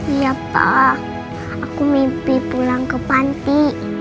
iya pak aku mimpi pulang ke panti